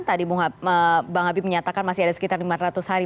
tadi bang habib menyatakan masih ada sekitar lima ratus hari